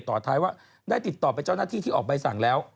ต่อท้ายว่าได้ติดต่อไปเจ้าหน้าที่ที่ออกใบสั่งแล้ว